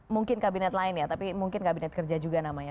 mungkin kabinet lainnya tapi mungkin kabinet kerja juga namanya